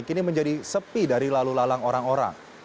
kini menjadi sepi dari lalu lalang orang orang